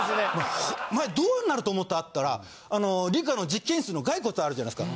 お前どうなると思ったって言ったらあの理科の実験室のガイコツあるじゃないですか。